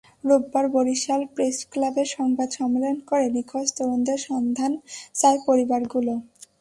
রোববার বরিশাল প্রেসক্লাবে সংবাদ সম্মেলন করে নিখোঁজ তরুণদের সন্ধান চায় পরিবারগুলো।